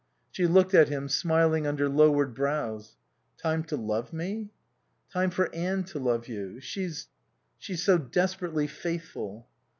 She looked at him, smiling under lowered brows. "Time to love me?" "Time for Anne to love you. She she's so desperately faithful."